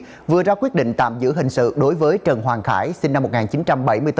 vừa ra quyết định tạm giữ hình sự đối với trần hoàng khải sinh năm một nghìn chín trăm bảy mươi bốn